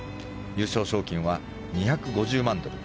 優勝賞金は２５０万ドル